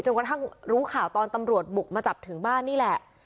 กระทั่งรู้ข่าวตอนตำรวจบุกมาจับถึงบ้านนี่แหละ